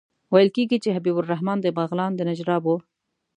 ویل کېږي چې حبیب الرحمن د بغلان د نجراب وو.